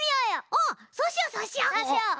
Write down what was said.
おそうしようそうしよう！